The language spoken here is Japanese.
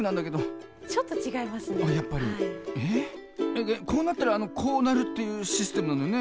ええっこうなったらこうなるっていうシステムなのよね？